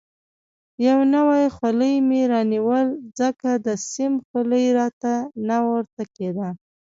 یو نوی خولۍ مې رانیول، ځکه د سیم خولۍ راته نه ورته کېده.